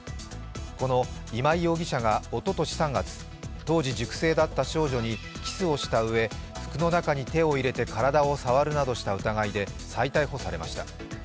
この今井容疑者がおととし３月、当時塾生だった少女にキスをしたうえ、服の中に手を入れて体を触るなどした疑いで再逮捕されました。